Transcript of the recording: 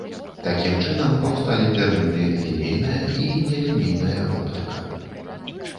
Такім чынам паўсталі тэрміны лінейная і нелінейная оптыка.